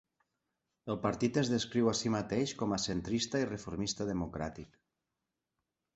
El partit es descriu a si mateix com a centrista i reformista democràtic.